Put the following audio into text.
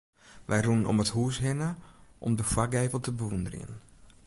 Wy rûnen om it hûs hinne om de foargevel te bewûnderjen.